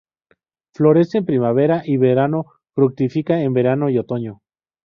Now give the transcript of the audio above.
Florece en primavera y verano; fructifica en verano y otoño.